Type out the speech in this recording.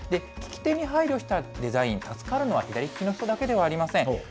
利き手に配慮したデザイン、助かるのは左利きの人だけではありません。